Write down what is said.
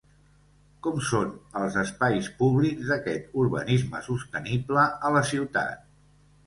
Com són els espais públics d'aquest urbanisme sostenible a la ciutat?